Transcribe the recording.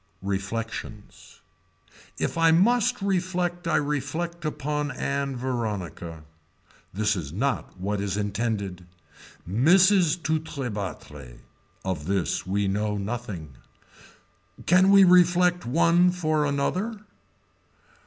Reflections. If I must reflect I reflect upon Ann Veronica. This is not what is intended. Mrs. Tourtebattre. Of this we know nothing. Can we reflect one for another.